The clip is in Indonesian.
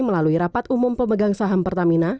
melalui rapat umum pemegang saham pertamina